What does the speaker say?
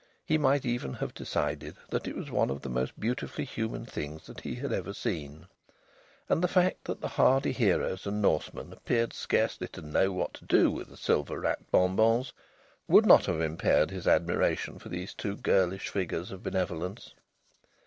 He might even have decided that it was one of the most beautifully human things that he had ever seen. And the fact that the hardy heroes and Norsemen appeared scarcely to know what to do with the silver wrapped bonbons would not have impaired his admiration for these two girlish figures of benevolence.